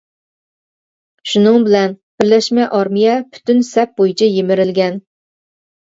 شۇنىڭ بىلەن بىرلەشمە ئارمىيە پۈتۈن سەپ بويىچە يىمىرىلگەن.